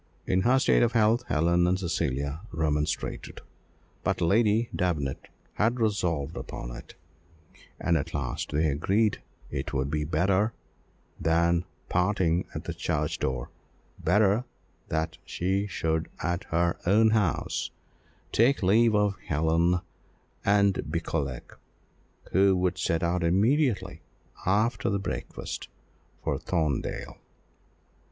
In her state of health, Helen and Cecilia remonstrated, but Lady Davenant had resolved upon it, and at last they agreed it would be better than parting at the church door better that she should at her own house take leave of Helen and Beauclerc, who would set out immediately after the breakfast for Thorndale.